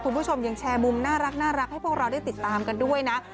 คุณผู้ชมยังแชร์มุมน่ารักให้พวกเราได้ติดตามกันด้วยนะ